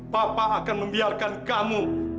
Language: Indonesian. bapak akan membiarkan kamu